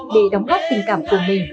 để đóng góp tình cảm của mình